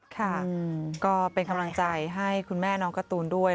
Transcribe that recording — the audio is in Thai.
ค่ะก็เป็นกำลังใจให้คุณแม่น้องการ์ตูนด้วย